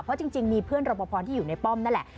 เพราะจริงมีเพื่อนรอปภที่อยู่ในป้อมนั่นแหละ